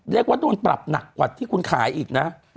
เรียกว่าโดนปรับหนักกว่าที่คุณขายอีกนะ